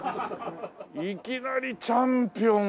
いきなりチャンピオンが。